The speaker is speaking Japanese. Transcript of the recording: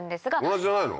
同じじゃないの？